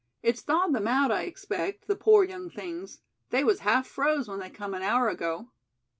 It's thawed them out, I expect, the poor young things. They was half froze when they come an hour ago."